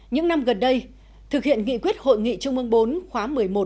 những năm gần đây thực hiện nghị quyết hội nghị trung ương bốn khóa một mươi một